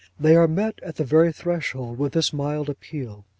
They are met at the very threshold with this mild appeal.